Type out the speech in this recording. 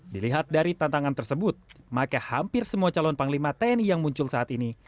dilihat dari tantangan tersebut maka hampir semua calon panglima tni yang muncul saat ini